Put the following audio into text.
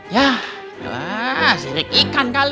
ya sirik ikan kali